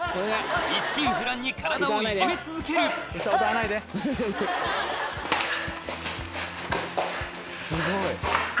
一心不乱に体をいじめ続けるすごい。